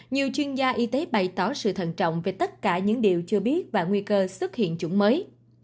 nhiều chuyên gia y tế bày tỏ sự thận trọng về tất cả những điều chưa biết và nguy cơ xuất hiện chủng mới